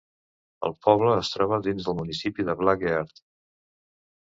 El poble es troba dins del municipi de Black Earth.